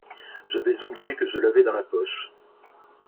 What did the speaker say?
J’avais oublié que je l’avais dans la poche.